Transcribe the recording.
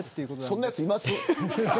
そんなやつ、いますか。